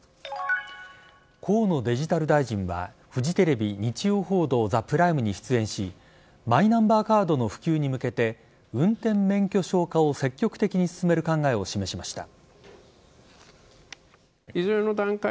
河野デジタル大臣はフジテレビ「日曜報道ＴＨＥＰＲＩＭＥ」に出演しマイナンバーカードの普及に向けて運転免許証化を積極的に進める考えを示しました。